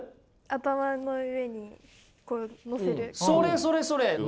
それそれそれ！